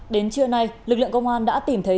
đến trưa nay lực lượng công an đã tìm thấy